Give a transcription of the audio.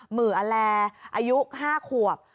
มืออแลอายุ๕ขวบ